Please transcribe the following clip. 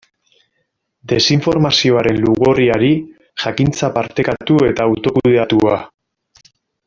Desinformazioaren lugorriari, jakintza partekatu eta autokudeatua.